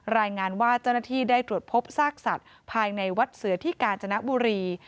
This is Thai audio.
รายงานว่าเจ้าหน้าที่ได้ตรวจพบซากสัตว์ภายในวัดเสือที่กาญจนบุรี